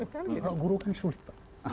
kalau guru kan sulit